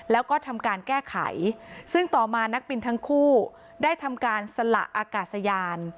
แล้วก็ทำการแก้ไขซึ่งต่อมานักบินทั้งคู่ได้ทำการสละอากาศยาน